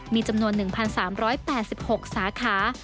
มีจำนวน๑๓๘๖สาขา